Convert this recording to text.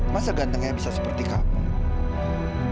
masa gantengnya bisa seperti apa